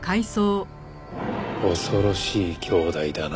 恐ろしい姉弟だな